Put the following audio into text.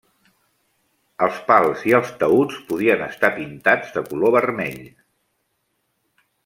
Els pals i els taüts podien estar pintats de color vermell.